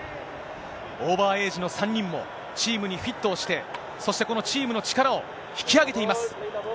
オーバーエイジの３人も、チームにフィットをして、そしてこのチームの力を引き上げています。